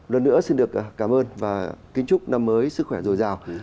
lần nữa xin được cảm ơn và kính chúc năm mới sức khỏe rồi rào